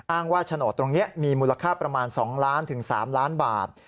อ้างว่าโฉนดตรงนี้มีมูลค่าประมาณ๒ล้านถึง๓ล้านบาท